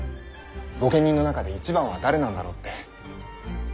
御家人の中で一番は誰なんだろうって。